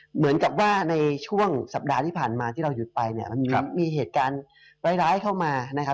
เหมือนกับว่าในช่วงสัปดาห์ที่ผ่านมาที่เราหยุดไปเนี่ยมันมีเหตุการณ์ร้ายเข้ามานะครับ